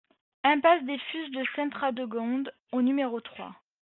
Impasse des Fus de Sainte-Radegonde au numéro trois